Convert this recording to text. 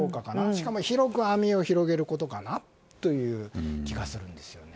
しかも広く網を広げることかなという気がするんですよね。